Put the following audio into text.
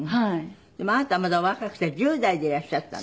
でもあなたまだお若くて１０代でいらっしゃったんでしょ？